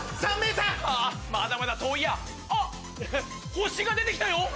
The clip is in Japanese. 星が出てきたよ。